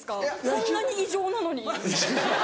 そんなに異常なのに？